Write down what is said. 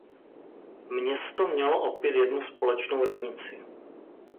Město mělo opět jednu společnou radnici.